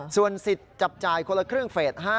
ส่วนสิทธิ์จับจ่ายคนละครึ่งเฟส๕